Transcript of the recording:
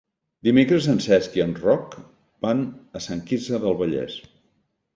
Dimecres en Cesc i en Roc van a Sant Quirze del Vallès.